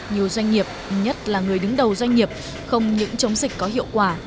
nhiều doanh nghiệp nhất là người đứng đầu doanh nghiệp không những chống dịch có hiệu quả